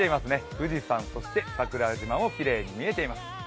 富士山、そして桜島もきれいに見えています。